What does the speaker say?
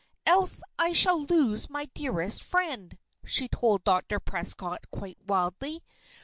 "Else I shall lose my dearest friend!" she told Dr. Prescott, quite wildly.